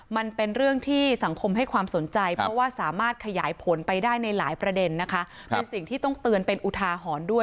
มันเป็นเรื่องที่สังคมให้ความสนใจเพราะว่าสามารถขยายผลไปได้ในหลายประเด็นนะคะเป็นสิ่งที่ต้องเตือนเป็นอุทาหรณ์ด้วย